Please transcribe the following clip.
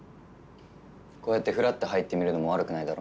こうやってふらっと入ってみるのも悪くないだろ？